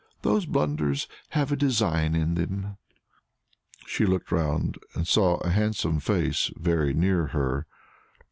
"Those blunders have a design in them." She looked round, and saw a handsome face very near her.